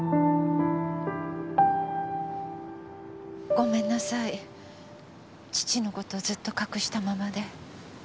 ごめんなさい父の事ずっと隠したままで。